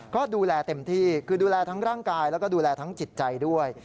ก็ดูแลเต็มที่คือดูแลทั้งร่างกายแล้วก็ดูแลทั้งจิตใจด้วย